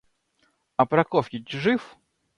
А Прокофьич жив?